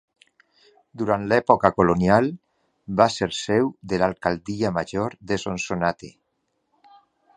Durant l'època colonial va ser seu de l'alcaldia major de Sonsonate.